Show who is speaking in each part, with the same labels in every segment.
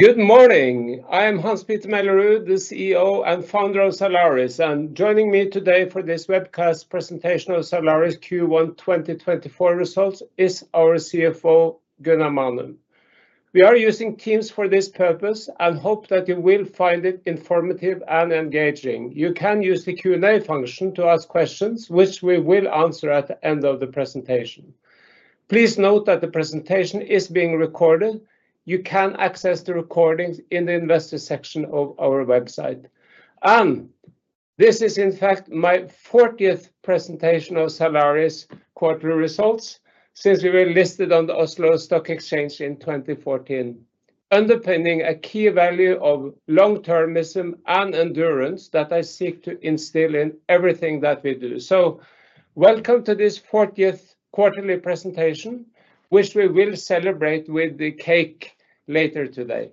Speaker 1: Good morning. I am Hans-Petter Mellerud, the CEO and founder of Zalaris, and joining me today for this webcast presentation of Zalaris Q1 2024 results is our CFO, Gunnar Manum. We are using Teams for this purpose and hope that you will find it informative and engaging. You can use the Q&A function to ask questions, which we will answer at the end of the presentation. Please note that the presentation is being recorded. You can access the recordings in the investor section of our website. This is, in fact, my 40th presentation of Zalaris quarterly results since we were listed on the Oslo Stock Exchange in 2014, underpinning a key value of long-termism and endurance that I seek to instill in everything that we do. Welcome to this 40th quarterly presentation, which we will celebrate with the cake later today.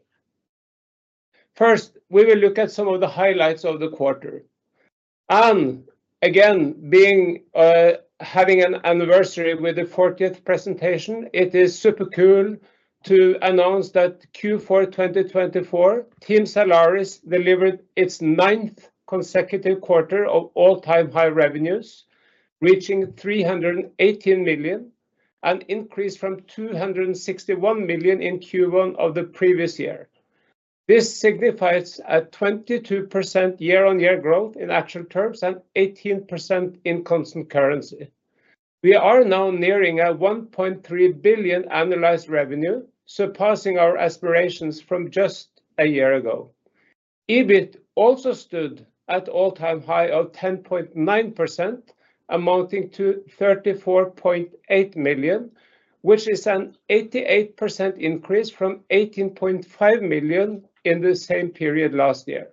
Speaker 1: First, we will look at some of the highlights of the quarter. Again, having an anniversary with the 40th presentation, it is super cool to announce that Q4 2024, Team Zalaris delivered its ninth consecutive quarter of all-time high revenues, reaching 318 million, an increase from 261 million in Q1 of the previous year. This signifies a 22% year-on-year growth in actual terms and 18% in constant currency. We are now nearing a 1.3 billion annualized revenue, surpassing our aspirations from just a year ago. EBIT also stood at all-time high of 10.9%, amounting to 34.8 million, which is an 88% increase from 18.5 million in the same period last year.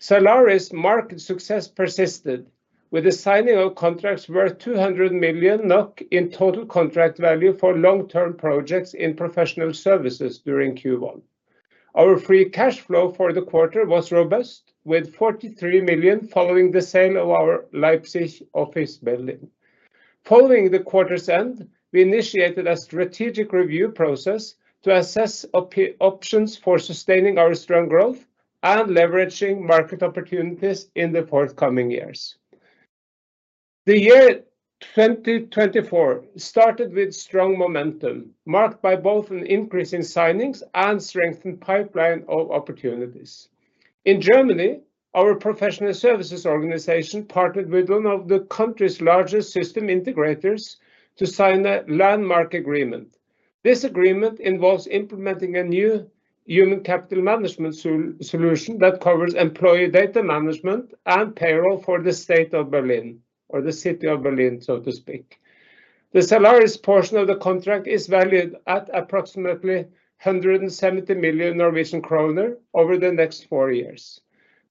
Speaker 1: Zalaris' market success persisted, with the signing of contracts worth 200 million NOK in total contract value for long-term projects in professional services during Q1. Our free cash flow for the quarter was robust, with 43 million following the sale of our Leipzig office building. Following the quarter's end, we initiated a strategic review process to assess options for sustaining our strong growth and leveraging market opportunities in the forthcoming years. The year 2024 started with strong momentum, marked by both an increase in signings and a strengthened pipeline of opportunities. In Germany, our professional services organization partnered with one of the country's largest system integrators to sign a landmark agreement. This agreement involves implementing a new human capital management solution that covers employee data management and payroll for the State of Berlin, or the city of Berlin, so to speak. The Zalaris portion of the contract is valued at approximately 170 million Norwegian kroner over the next four years,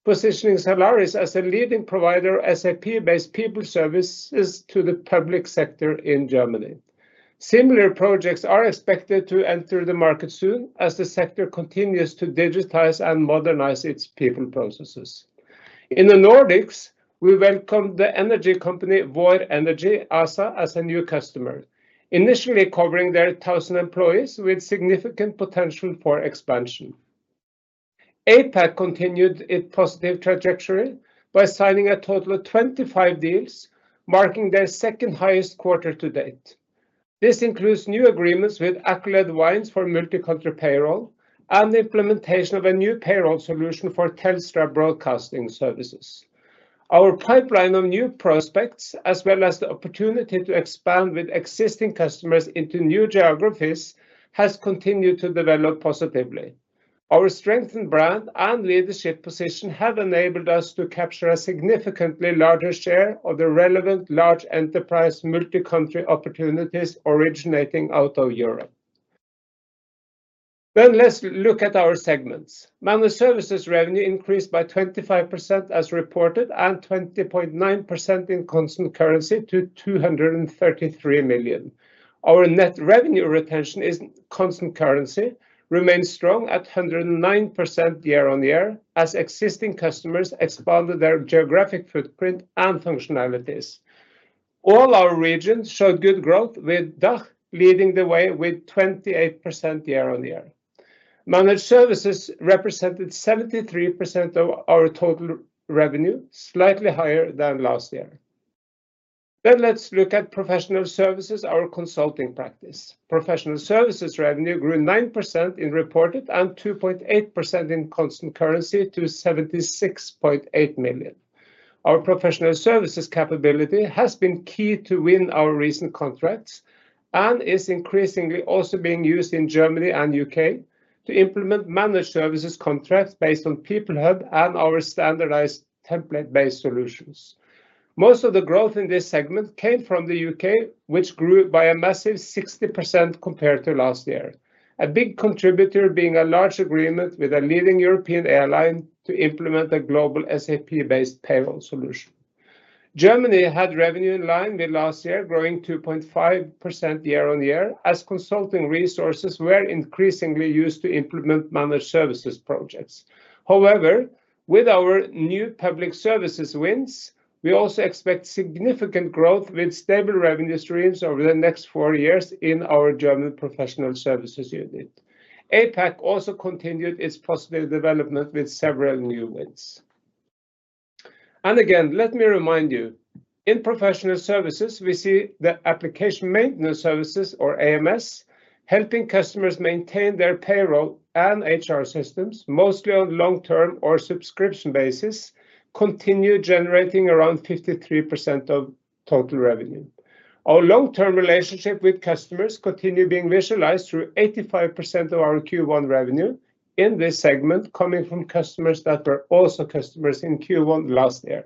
Speaker 1: positioning Zalaris as a leading provider of SAP-based people services to the public sector in Germany. Similar projects are expected to enter the market soon as the sector continues to digitize and modernize its people processes. In the Nordics, we welcomed the energy company Vår Energi ASA as a new customer, initially covering their 1,000 employees with significant potential for expansion. APAC continued its positive trajectory by signing a total of 25 deals, marking their second-highest quarter to date. This includes new agreements with Accolade Wines for multicultural payroll and the implementation of a new payroll solution for Telstra Broadcast Services. Our pipeline of new prospects, as well as the opportunity to expand with existing customers into new geographies, has continued to develop positively. Our strengthened brand and leadership position have enabled us to capture a significantly larger share of the relevant large enterprise multicultural opportunities originating out of Europe. Then let's look at our segments. Managed services revenue increased by 25% as reported and 20.9% in constant currency to 233 million. Our net revenue retention in constant currency remains strong at 109% year-over-year as existing customers expanded their geographic footprint and functionalities. All our regions showed good growth, with DACH leading the way with 28% year-over-year. Managed services represented 73% of our total revenue, slightly higher than last year. Then let's look at professional services, our consulting practice. Professional services revenue grew 9% in reported and 2.8% in constant currency to 76.8 million. Our professional services capability has been key to win our recent contracts and is increasingly also being used in Germany and U.K. to implement managed services contracts based on PeopleHub and our standardized template-based solutions. Most of the growth in this segment came from the U.K., which grew by a massive 60% compared to last year, a big contributor being a large agreement with a leading European airline to implement a global SAP-based payroll solution. Germany had revenue in line with last year, growing 2.5% year-on-year as consulting resources were increasingly used to implement managed services projects. However, with our new public services wins, we also expect significant growth with stable revenue streams over the next four years in our German professional services unit. APAC also continued its positive development with several new wins. Again, let me remind you, in professional services, we see the application maintenance services, or AMS, helping customers maintain their payroll and HR systems, mostly on a long-term or subscription basis, continue generating around 53% of total revenue. Our long-term relationship with customers continues being visualized through 85% of our Q1 revenue in this segment, coming from customers that were also customers in Q1 last year.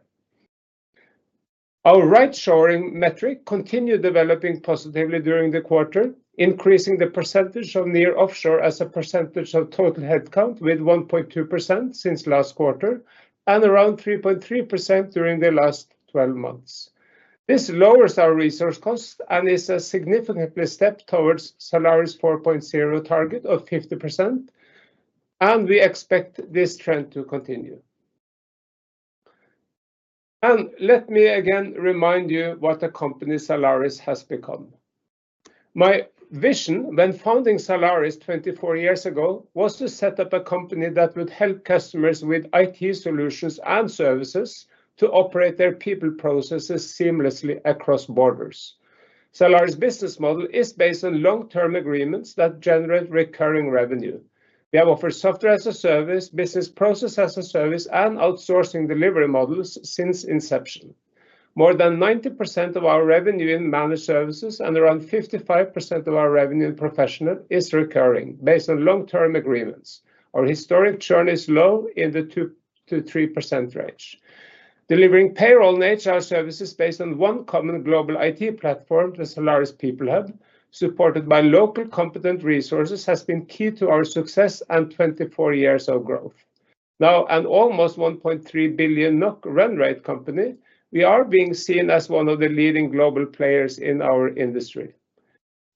Speaker 1: Our right-shoring metric continued developing positively during the quarter, increasing the percentage of near offshore as a percentage of total headcount with 1.2% since last quarter and around 3.3% during the last 12 months. This lowers our resource costs and is a significant step towards Zalaris 4.0 target of 50%, and we expect this trend to continue. Let me again remind you what a company Zalaris has become. My vision when founding Zalaris 24 years ago was to set up a company that would help customers with IT solutions and services to operate their people processes seamlessly across borders. Zalaris' business model is based on long-term agreements that generate recurring revenue. We have offered Software as a Service, Business Process as a Service, and outsourcing delivery models since inception. More than 90% of our revenue in Managed Services and around 55% of our revenue in Professional Services is recurring based on long-term agreements. Our historic churn is low in the 2%-3% range. Delivering payroll and HR services based on one common global IT platform, the Zalaris PeopleHub, supported by local competent resources, has been key to our success and 24 years of growth. Now, an almost 1.3 billion NOK run rate company, we are being seen as one of the leading global players in our industry.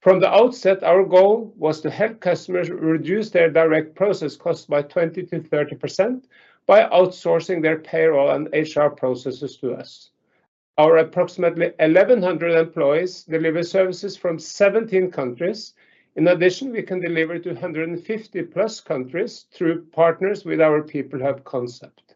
Speaker 1: From the outset, our goal was to help customers reduce their direct process costs by 20%-30% by outsourcing their payroll and HR processes to us. Our approximately 1,100 employees deliver services from 17 countries. In addition, we can deliver to 150+ countries through partners with our PeopleHub concept.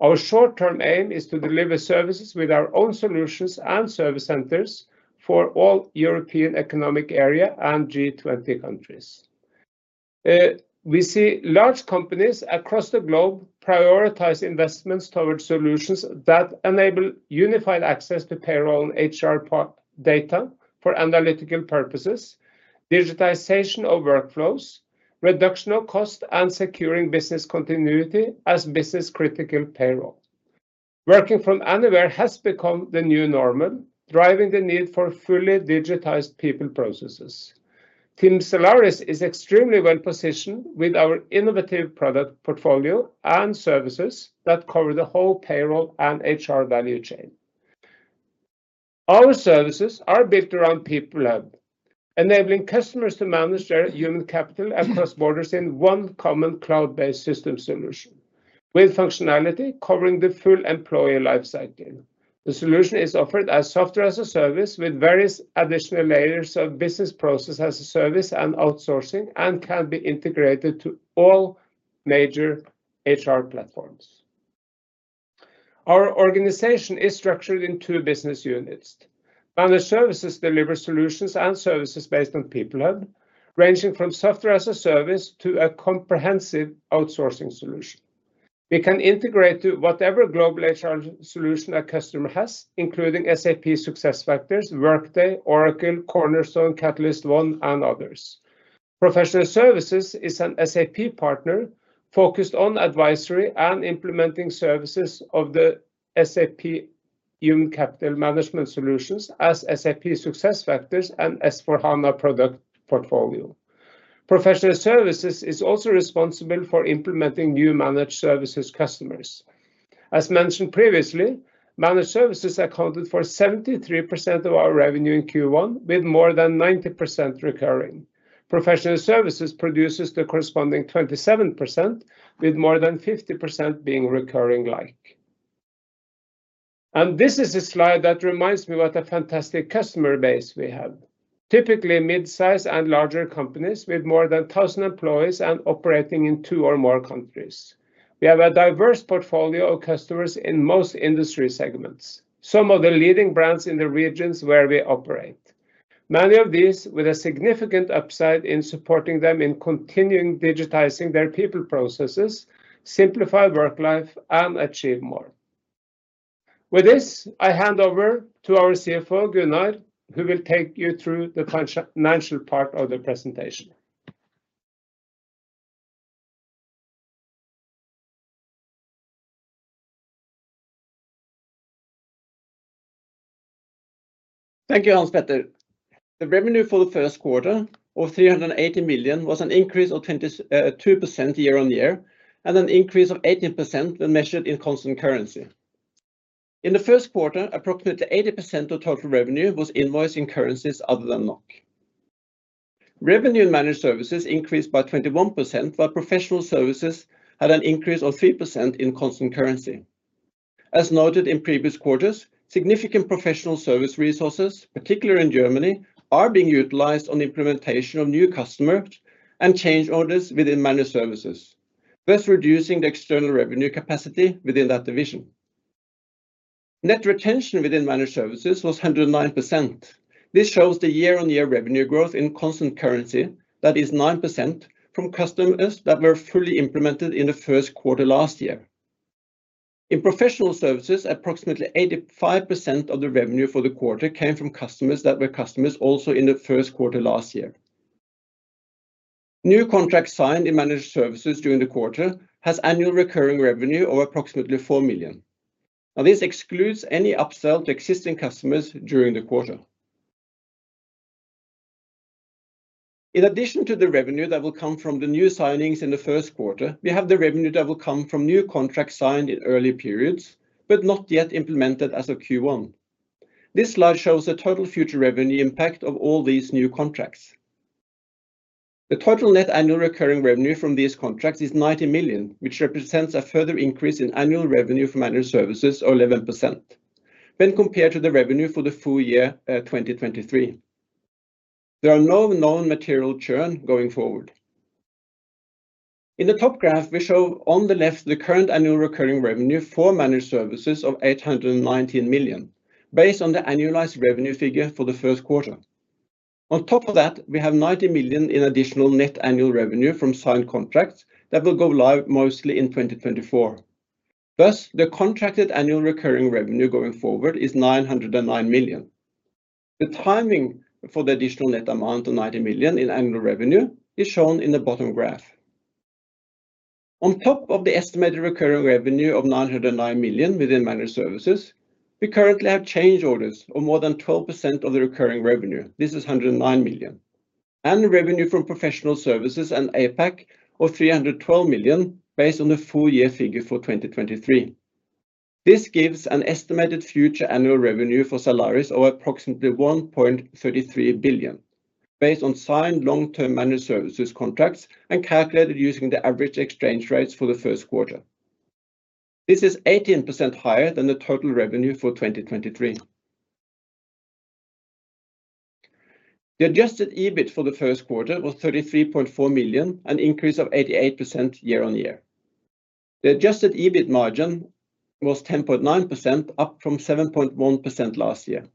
Speaker 1: Our short-term aim is to deliver services with our own solutions and service centers for all European Economic Area and G20 countries. We see large companies across the globe prioritize investments towards solutions that enable unified access to payroll and HR data for analytical purposes, digitization of workflows, reduction of cost, and securing business continuity as business-critical payroll. Working from anywhere has become the new normal, driving the need for fully digitized people processes. Team Zalaris is extremely well-positioned with our innovative product portfolio and services that cover the whole payroll and HR value chain. Our services are built around PeopleHub, enabling customers to manage their human capital across borders in one common cloud-based system solution with functionality covering the full employee lifecycle. The solution is offered as software as a service with various additional layers of business process as a service and outsourcing and can be integrated to all major HR platforms. Our organization is structured in two business units. Managed Services deliver solutions and services based on PeopleHub, ranging from software as a service to a comprehensive outsourcing solution. We can integrate to whatever global HR solution a customer has, including SAP SuccessFactors, Workday, Oracle, Cornerstone, CatalystOne, and others. Professional Services is an SAP partner focused on advisory and implementing services of the SAP Human Capital Management solutions as SAP SuccessFactors and S/4HANA product portfolio. Professional Services is also responsible for implementing new Managed Services customers. As mentioned previously, managed services accounted for 73% of our revenue in Q1, with more than 90% recurring. Professional Services produces the corresponding 27%, with more than 50% being recurring-like. This is a slide that reminds me what a fantastic customer base we have, typically midsize and larger companies with more than 1,000 employees and operating in two or more countries. We have a diverse portfolio of customers in most industry segments, some of the leading brands in the regions where we operate. Many of these, with a significant upside in supporting them in continuing digitizing their people processes, simplify work life and achieve more. With this, I hand over to our CFO, Gunnar, who will take you through the financial part of the presentation.
Speaker 2: Thank you, Hans-Petter. The revenue for the first quarter of 380 million was an increase of 22% year-on-year and an increase of 18% when measured in constant currency. In the first quarter, approximately 80% of total revenue was invoiced in currencies other than NOK. Revenue in managed services increased by 21%, while professional services had an increase of 3% in constant currency. As noted in previous quarters, significant professional service resources, particularly in Germany, are being utilized on implementation of new customers and change orders within managed services, thus reducing the external revenue capacity within that division. Net retention within managed services was 109%. This shows the year-on-year revenue growth in constant currency, that is, 9% from customers that were fully implemented in the first quarter last year. In professional services, approximately 85% of the revenue for the quarter came from customers that were customers also in the first quarter last year. New contracts signed in managed services during the quarter have annual recurring revenue of approximately 4 million. Now, this excludes any upsell to existing customers during the quarter. In addition to the revenue that will come from the new signings in the first quarter, we have the revenue that will come from new contracts signed in early periods but not yet implemented as of Q1. This slide shows the total future revenue impact of all these new contracts. The total net annual recurring revenue from these contracts is 90 million, which represents a further increase in annual revenue for managed services of 11% when compared to the revenue for the full year 2023. There are no known material churn going forward. In the top graph, we show on the left the current annual recurring revenue for managed services of 819 million based on the annualized revenue figure for the first quarter. On top of that, we have 90 million in additional net annual revenue from signed contracts that will go live mostly in 2024. Thus, the contracted annual recurring revenue going forward is 909 million. The timing for the additional net amount of 90 million in annual revenue is shown in the bottom graph. On top of the estimated recurring revenue of 909 million within managed services, we currently have change orders of more than 12% of the recurring revenue. This is 109 million, and revenue from professional services and APAC of 312 million based on the full year figure for 2023. This gives an estimated future annual revenue for Zalaris of approximately 1.33 billion based on signed long-term managed services contracts and calculated using the average exchange rates for the first quarter. This is 18% higher than the total revenue for 2023. The adjusted EBIT for the first quarter was 33.4 million, an increase of 88% year-on-year. The adjusted EBIT margin was 10.9%, up from 7.1% last year.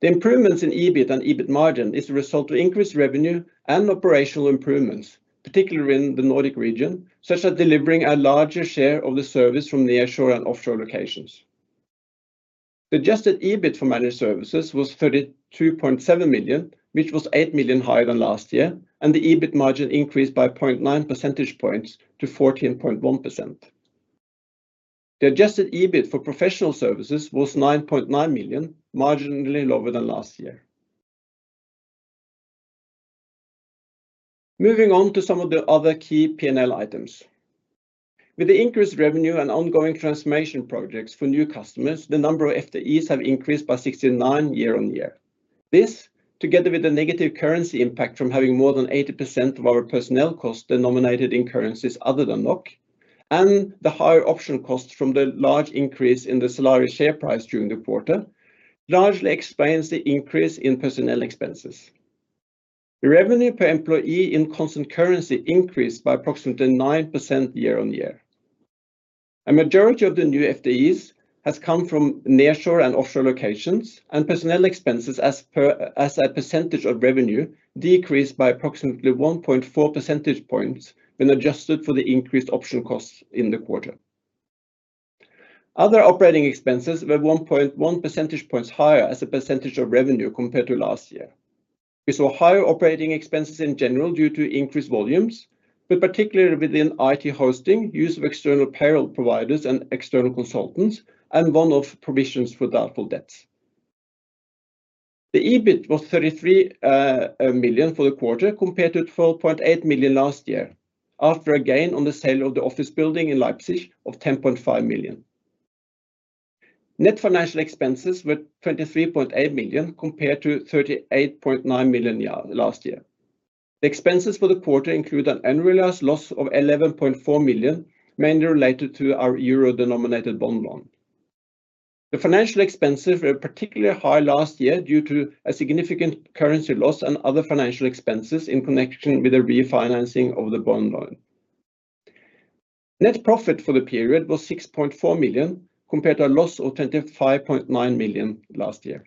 Speaker 2: The improvements in EBIT and EBIT margin are the result of increased revenue and operational improvements, particularly in the Nordic region, such as delivering a larger share of the service from nearshore and offshore locations. The adjusted EBIT for managed services was 32.7 million, which was 8 million higher than last year, and the EBIT margin increased by 0.9 percentage points to 14.1%. The adjusted EBIT for professional services was 9.9 million, marginally lower than last year. Moving on to some of the other key P&L items. With the increased revenue and ongoing transformation projects for new customers, the number of FTEs has increased by 69 year-on-year. This, together with the negative currency impact from having more than 80% of our personnel costs denominated in currencies other than NOK and the higher option costs from the large increase in the Zalaris share price during the quarter, largely explains the increase in personnel expenses. The revenue per employee in constant currency increased by approximately 9% year-on-year. A majority of the new FTEs have come from nearshore and offshore locations, and personnel expenses as a percentage of revenue decreased by approximately 1.4 percentage points when adjusted for the increased option costs in the quarter. Other operating expenses were 1.1 percentage points higher as a percentage of revenue compared to last year. We saw higher operating expenses in general due to increased volumes, but particularly within IT hosting, use of external payroll providers and external consultants, and one-off provisions for doubtful debts. The EBIT was 33 million for the quarter compared to 12.8 million last year, after a gain on the sale of the office building in Leipzig of 10.5 million. Net financial expenses were 23.8 million compared to 38.9 million last year. The expenses for the quarter included an annualized loss of 11.4 million, mainly related to our euro-denominated bond loan. The financial expenses were particularly high last year due to a significant currency loss and other financial expenses in connection with the refinancing of the bond loan. Net profit for the period was 6.4 million compared to a loss of 25.9 million last year.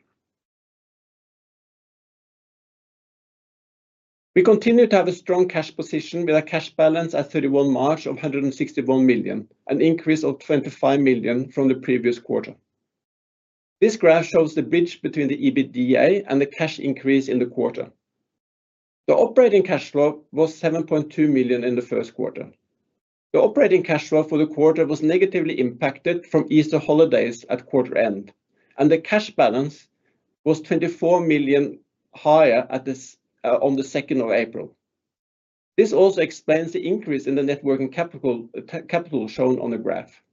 Speaker 2: We continue to have a strong cash position with a cash balance at 31 March of 161 million, an increase of 25 million from the previous quarter. This graph shows the bridge between the EBITDA and the cash increase in the quarter. The operating cash flow was 7.2 million in the first quarter. The operating cash flow for the quarter was negatively impacted from Easter holidays at quarter end, and the cash balance was 24 million higher on the 2nd of April. This also explains the increase in the net working capital shown on the graph.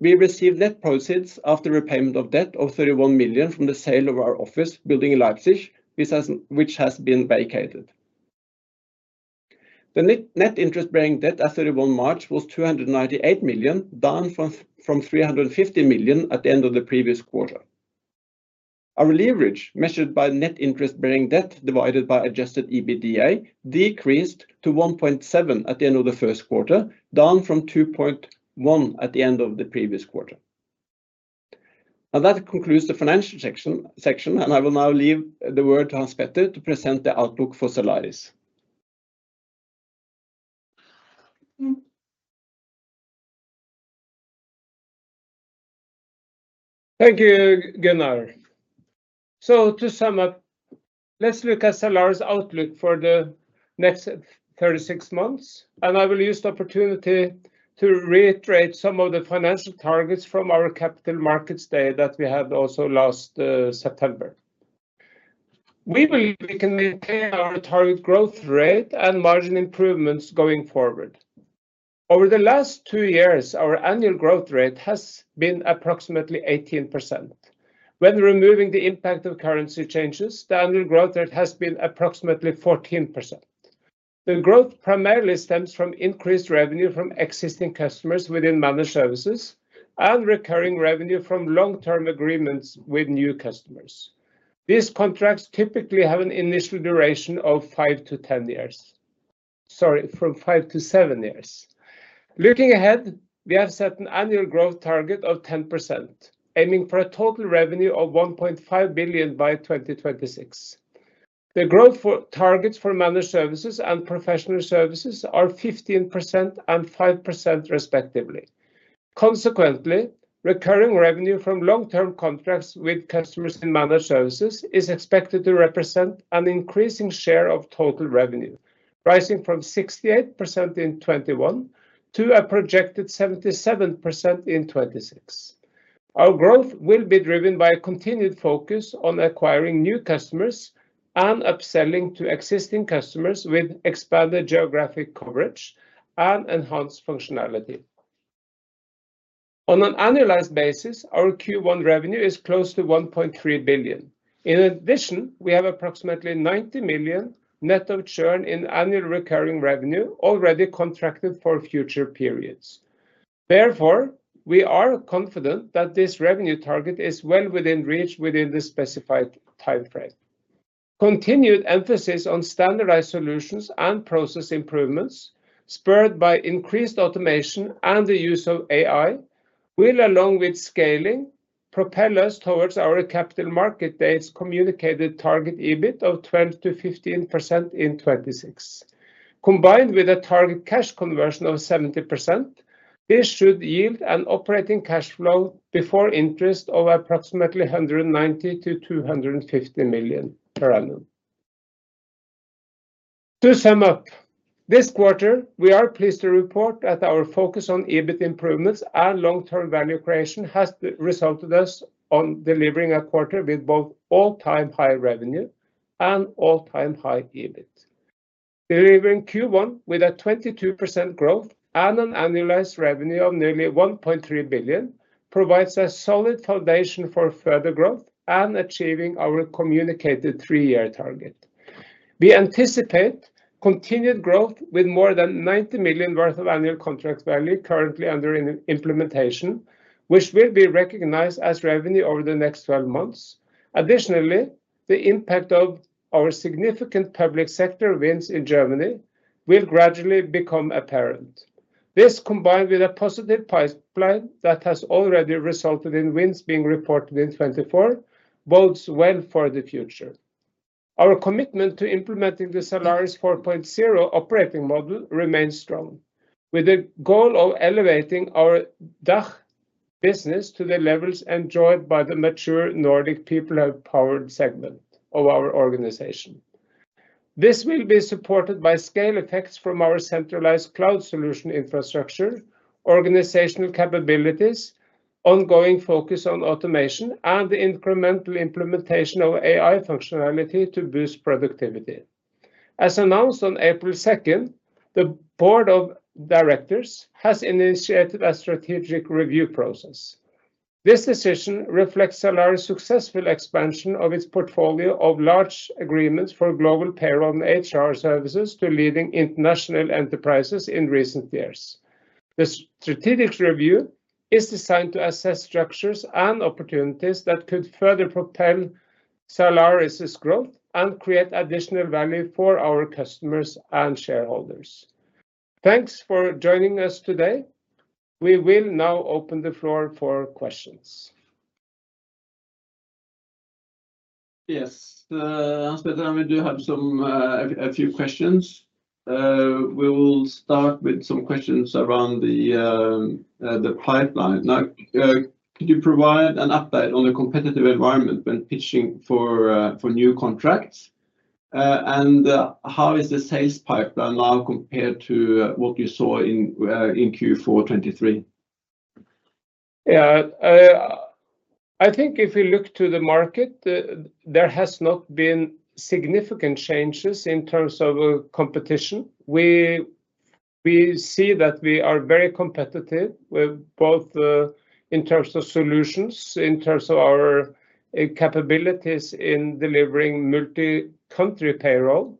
Speaker 2: We received net proceeds after repayment of debt of 31 million from the sale of our office building in Leipzig, which has been vacated. The net interest bearing debt at 31 March was 298 million, down from 350 million at the end of the previous quarter. Our leverage, measured by net interest bearing debt divided by adjusted EBITDA, decreased to 1.7 at the end of the first quarter, down from 2.1 at the end of the previous quarter. Now, that concludes the financial section, and I will now leave the word to Hans-Petter to present the outlook for Zalaris.
Speaker 1: Thank you, Gunnar. So, to sum up, let's look at Zalaris outlook for the next 36 months, and I will use the opportunity to reiterate some of the financial targets from our Capital Markets Day that we had also last September. We can maintain our target growth rate and margin improvements going forward. Over the last two years, our annual growth rate has been approximately 18%. When removing the impact of currency changes, the annual growth rate has been approximately 14%. The growth primarily stems from increased revenue from existing customers within managed services and recurring revenue from long-term agreements with new customers. These contracts typically have an initial duration of five to 10 years - sorry, from five to seven years. Looking ahead, we have set an annual growth target of 10%, aiming for a total revenue of 1.5 billion by 2026. The growth targets for managed services and professional services are 15% and 5%, respectively. Consequently, recurring revenue from long-term contracts with customers in managed services is expected to represent an increasing share of total revenue, rising from 68% in 2021 to a projected 77% in 2026. Our growth will be driven by a continued focus on acquiring new customers and upselling to existing customers with expanded geographic coverage and enhanced functionality. On an annualized basis, our Q1 revenue is close to 1.3 billion. In addition, we have approximately 90 million net of churn in annual recurring revenue already contracted for future periods. Therefore, we are confident that this revenue target is well within reach within the specified time frame. Continued emphasis on standardized solutions and process improvements, spurred by increased automation and the use of AI, will, along with scaling, propel us towards our Capital Markets Day's communicated target EBIT of 12%-15% in 2026. Combined with a target cash conversion of 70%, this should yield an operating cash flow before interest of approximately 190 million-250 million per annum. To sum up, this quarter, we are pleased to report that our focus on EBIT improvements and long-term value creation has resulted in us delivering a quarter with both all-time high revenue and all-time high EBIT. Delivering Q1 with a 22% growth and an annualized revenue of nearly 1.3 billion provides a solid foundation for further growth and achieving our communicated three-year target. We anticipate continued growth with more than 90 million worth of annual contract value currently under implementation, which will be recognized as revenue over the next 12 months. Additionally, the impact of our significant public sector wins in Germany will gradually become apparent. This, combined with a positive pipeline that has already resulted in wins being reported in 2024, bodes well for the future. Our commitment to implementing the Zalaris 4.0 operating model remains strong, with the goal of elevating our DACH business to the levels enjoyed by the mature Nordic people-powered segment of our organization. This will be supported by scale effects from our centralized cloud solution infrastructure, organizational capabilities, ongoing focus on automation, and the incremental implementation of AI functionality to boost productivity. As announced on April 2nd, the board of directors has initiated a strategic review process. This decision reflects Zalaris' successful expansion of its portfolio of large agreements for global payroll and HR services to leading international enterprises in recent years. The strategic review is designed to assess structures and opportunities that could further propel Zalaris' growth and create additional value for our customers and shareholders. Thanks for joining us today. We will now open the floor for questions.
Speaker 2: Yes, Hans-Petter, I do have a few questions. We will start with some questions around the pipeline. Now, could you provide an update on the competitive environment when pitching for new contracts, and how is the sales pipeline now compared to what you saw in Q4 2023?
Speaker 1: Yeah, I think if we look to the market, there have not been significant changes in terms of competition. We see that we are very competitive, both in terms of solutions, in terms of our capabilities in delivering multi-country payroll,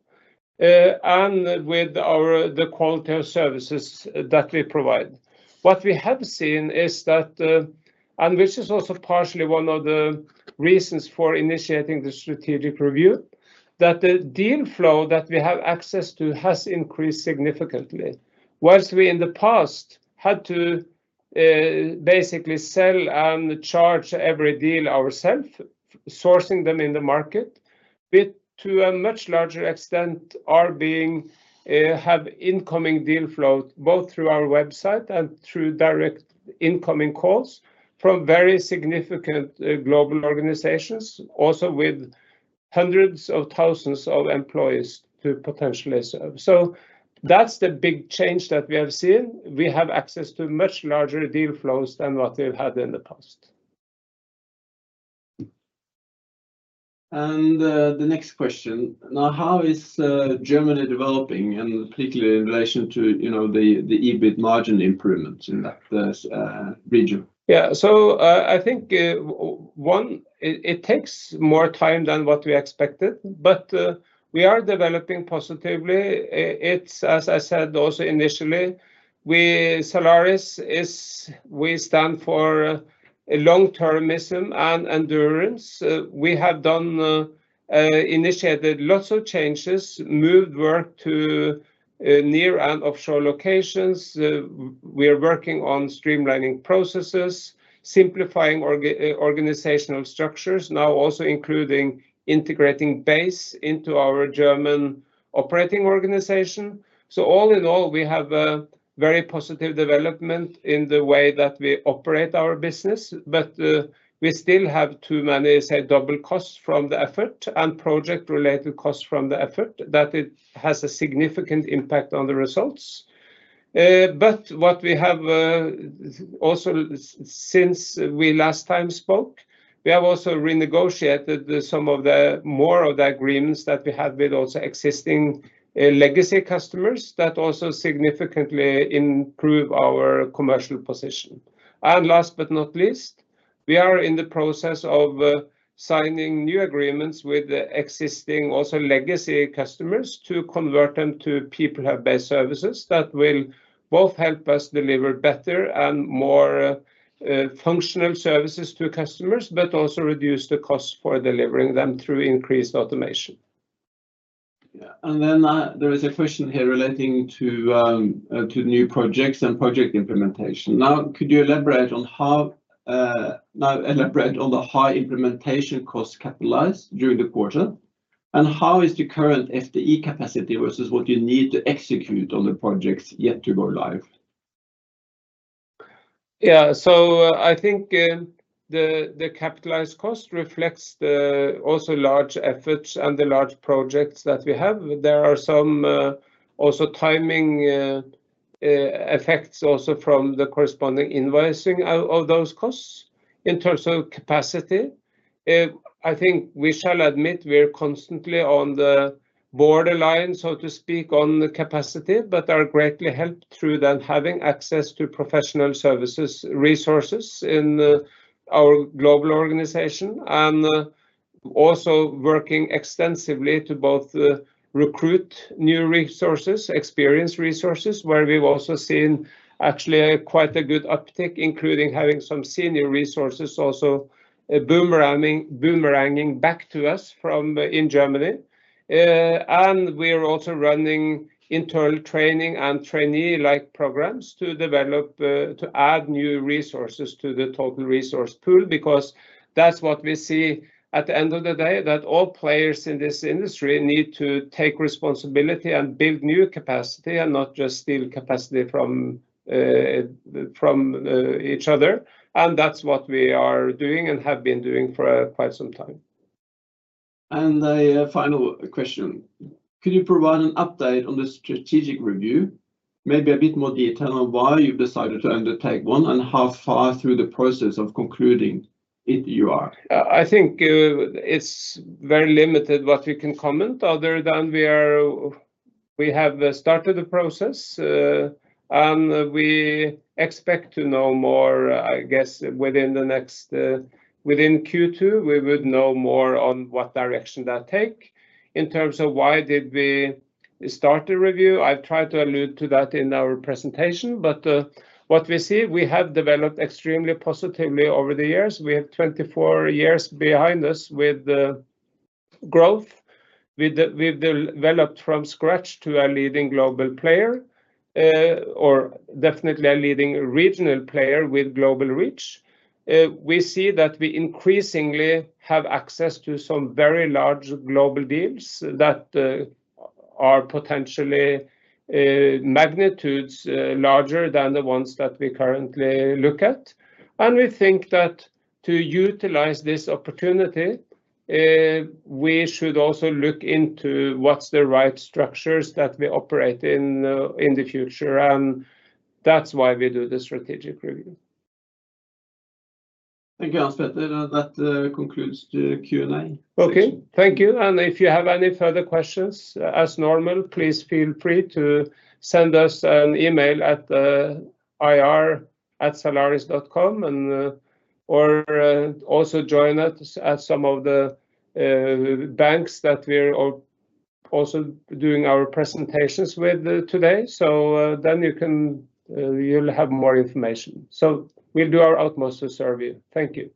Speaker 1: and with the quality of services that we provide. What we have seen is that, and which is also partially one of the reasons for initiating the strategic review, that the deal flow that we have access to has increased significantly, while we in the past had to basically sell and charge every deal ourselves, sourcing them in the market, we, to a much larger extent, have incoming deal flows both through our website and through direct incoming calls from very significant global organizations, also with hundreds of thousands of employees to potentially serve. So that's the big change that we have seen. We have access to much larger deal flows than what we've had in the past.
Speaker 2: And the next question: Now, how is Germany developing, and particularly in relation to the EBIT margin improvements in that region?
Speaker 1: Yeah, so I think, one, it takes more time than what we expected, but we are developing positively. As I said also initially, Zalaris stands for long-termism and endurance. We have initiated lots of changes, moved work to near and offshore locations. We are working on streamlining processes, simplifying organizational structures, now also including integrating baSE into our German operating organization. So all in all, we have a very positive development in the way that we operate our business, but we still have too many, say, double costs from the effort and project-related costs from the effort that has a significant impact on the results. But what we have also, since we last time spoke, we have also renegotiated some of the more of the agreements that we had with also existing legacy customers that also significantly improve our commercial position. Last but not least, we are in the process of signing new agreements with existing, also legacy customers to convert them to PeopleHub-based services that will both help us deliver better and more functional services to customers, but also reduce the costs for delivering them through increased automation.
Speaker 2: Yeah, and then there is a question here relating to new projects and project implementation. Now, elaborate on the high implementation costs capitalized during the quarter, and how is the current FTE capacity versus what you need to execute on the projects yet to go live?
Speaker 1: Yeah, so I think the capitalized cost reflects also large efforts and the large projects that we have. There are some also timing effects also from the corresponding invoicing of those costs in terms of capacity. I think we shall admit we are constantly on the borderline, so to speak, on capacity, but are greatly helped through then having access to professional services resources in our global organization and also working extensively to both recruit new resources, experienced resources, where we've also seen actually quite a good uptick, including having some senior resources also boomeranging back to us from Germany. And we are also running internal training and trainee-like programs to add new resources to the total resource pool because that's what we see at the end of the day, that all players in this industry need to take responsibility and build new capacity and not just steal capacity from each other. And that's what we are doing and have been doing for quite some time.
Speaker 2: And a final question: Could you provide an update on the strategic review, maybe a bit more detail on why you've decided to undertake one and how far through the process of concluding it you are?
Speaker 1: I think it's very limited what we can comment other than we have started the process, and we expect to know more, I guess, within Q2 we would know more on what direction that takes in terms of why did we start the review. I've tried to allude to that in our presentation, but what we see, we have developed extremely positively over the years. We have 24 years behind us with growth. We've developed from scratch to a leading global player or definitely a leading regional player with global reach. We see that we increasingly have access to some very large global deals that are potentially magnitudes larger than the ones that we currently look at. We think that to utilize this opportunity, we should also look into what's the right structures that we operate in the future, and that's why we do the strategic review.
Speaker 2: Thank you, Hans-Petter. That concludes Q&A.
Speaker 1: Okay, thank you. If you have any further questions, as normal, please feel free to send us an email at ir@zalaris.com or also join us at some of the banks that we're also doing our presentations with today. Then you'll have more information. We'll do our utmost to serve you. Thank you.